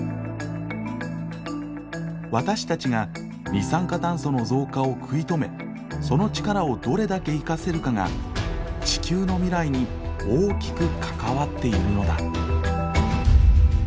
私たちが二酸化炭素の増加を食い止めその力をどれだけ生かせるかが地球の未来に大きく関わっているのだ。